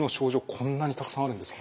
こんなにたくさんあるんですか？